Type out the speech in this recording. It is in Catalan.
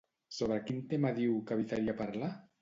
Sobre quin tema diu que evitaria parlar?